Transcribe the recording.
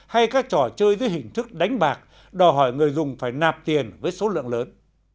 hay các trò chơi dưới hình thức đánh bạc đòi hỏi người dùng phải nạp tiền với số lượng lớn